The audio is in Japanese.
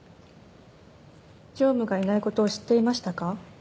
常務がいないことを知っていましたか？